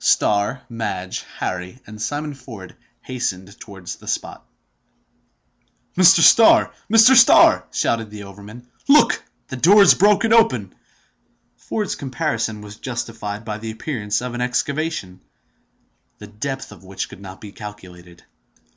Starr, Madge, Harry, and Simon Ford hastened towards the spot. "Mr. Starr! Mr. Starr!" shouted the overman. "Look! the door is broken open!" Ford's comparison was justified by the appearance of an excavation, the depth of which could not be calculated.